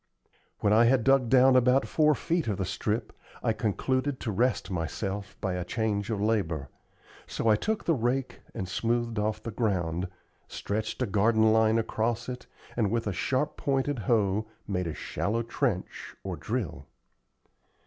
When I had dug down about four feet of the strip, I concluded to rest myself by a change of labor; so I took the rake and smoothed off the ground, stretched a garden line across it, and, with a sharp pointed hoe, made a shallow trench, or drill.